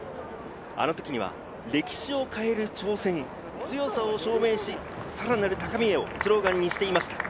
あの時には歴史を変える挑戦、強さを証明し、さらなる高みをスローガンにしていました。